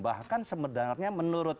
bahkan sebenarnya menurut